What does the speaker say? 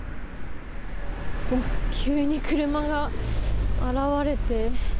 急に車が現れて。